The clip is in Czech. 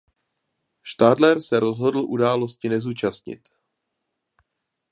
Stadler se rozhodl události nezúčastnit.